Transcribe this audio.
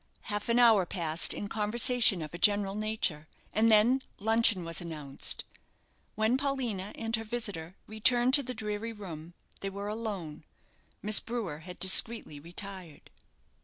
Half an hour passed in conversation of a general nature, and then luncheon was announced. When Paulina and her visitor returned to the dreary room, they were alone; Miss Brewer had discreetly retired.